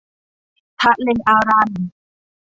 ทะเลอารัล